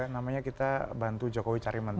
namanya kita bantu jokowi cari menteri